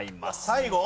最後？